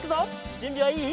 じゅんびはいい？